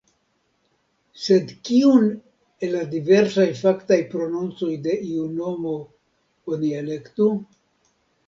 Sed kiun el la diversaj faktaj prononcoj de iu nomo oni elektu?